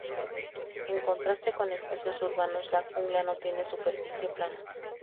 En contraste con espacios urbanos, la jungla no tiene superficie plana.